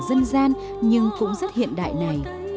dân gian nhưng cũng rất hiện đại này